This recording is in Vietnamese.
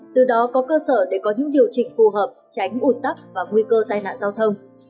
từ đó có cơ sở để có những điều chỉnh phù hợp tránh ủn tắc và nguy cơ tai nạn giao thông